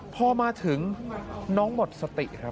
พอมาถึงน้องหมดสติครับ